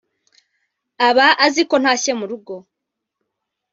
aba azi ko ntashye mu rugo